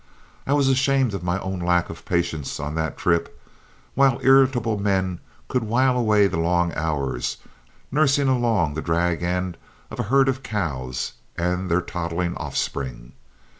I was ashamed of my own lack of patience on that trip, while irritable men could while away the long hours, nursing along the drag end of a herd of cows and their toddling offspring.